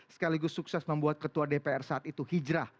sekaligus sukses membuat ketua dpr saat itu hijrah